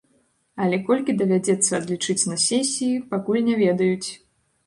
Але колькі давядзецца адлічыць на сесіі, пакуль не ведаюць.